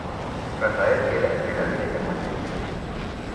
Rafael queda entre la vida y la muerte.